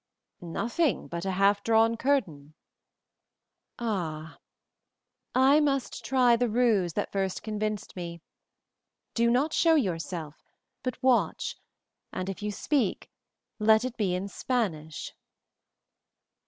"Nothing but a half drawn curtain." "Ah! I must try the ruse that first convinced me. Do not show yourself, but watch, and if you speak, let it be in Spanish."